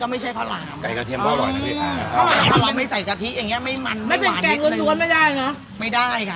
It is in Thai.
ไม่ได้ค่ะไม่ได้